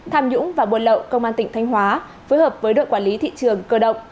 tham nhũng và buôn lậu công an tỉnh thanh hóa phối hợp với đội quản lý thị trường cơ động